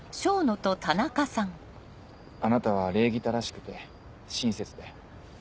あなたは礼儀正しくて親切で。